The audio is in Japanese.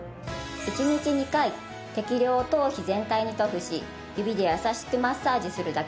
１日２回適量を頭皮全体に塗布し指で優しくマッサージするだけ。